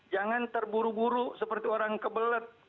jangan terburu buru seperti orang kebelet